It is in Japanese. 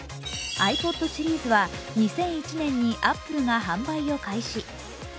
ｉＰｏｄシリーズは２００１年にアップルが販売を開始。